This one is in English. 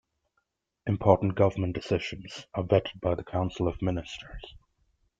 Important government decisions are vetted by the Council of Ministers.